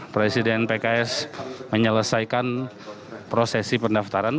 presiden pks menyelesaikan prosesi pendaftaran